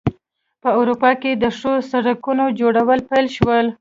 په اروپا کې د ښو سړکونو جوړول پیل شول.